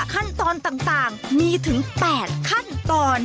ขั้นตอนต่างมีถึง๘ขั้นตอน